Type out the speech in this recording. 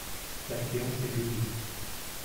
La séance est levée.